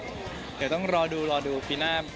เดี๋ยวต้องรอดูรอดูปีหน้า